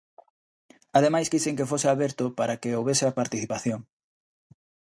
Ademais quixen que fose aberto para que houbese participación.